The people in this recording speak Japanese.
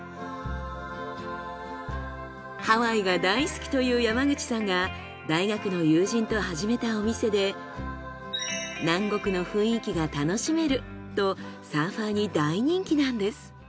ハワイが大好きという山口さんが大学の友人と始めたお店で南国の雰囲気が楽しめるとサーファーに大人気なんです。